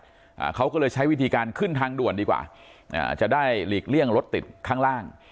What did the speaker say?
อ่าเขาก็เลยใช้วิธีการขึ้นทางด่วนดีกว่าอ่าจะได้หลีกเลี่ยงรถติดข้างล่าง